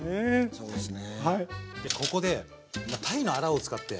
そうですね。